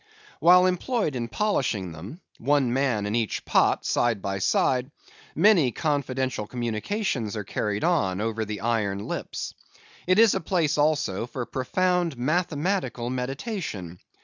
While employed in polishing them—one man in each pot, side by side—many confidential communications are carried on, over the iron lips. It is a place also for profound mathematical meditation.